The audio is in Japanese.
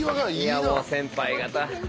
いやもう先輩方。